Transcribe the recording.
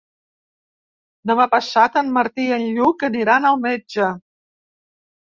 Demà passat en Martí i en Lluc aniran al metge.